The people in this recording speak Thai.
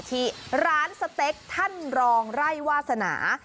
ที่ร้านสเต็กท่านรองไร่วาสนา